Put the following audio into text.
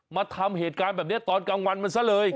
มาทำเหตุการณ์แบบนี้ตอนกลางวันมันซะเลย